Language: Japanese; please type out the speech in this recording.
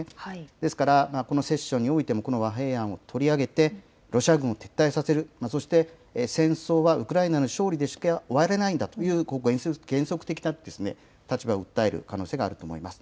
ですから、このセッションにおいてもこの和平案を取り上げてロシア軍を撤退させる、そして戦争はウクライナの勝利でしか終われないんだという原則的な立場を訴える可能性があると思います。